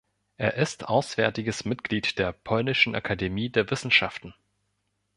Er ist auswärtiges Mitglied der Polnischen Akademie der Wissenschaften.